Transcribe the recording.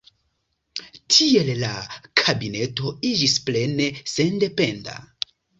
Tiel la kabineto iĝis plene sendependa.